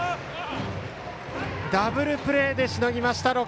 ダブルプレーで、しのぎました